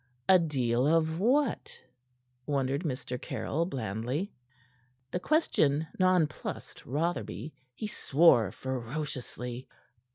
"A deal of what?" wondered Mr. Caryll blandly. The question nonplussed Rotherby. He swore ferociously.